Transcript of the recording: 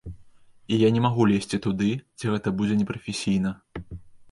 І я не магу лезці туды, дзе гэта будзе непрафесійна!